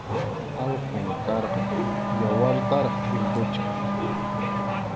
Alqum karqan, yawartaraq tʼimpuchiq.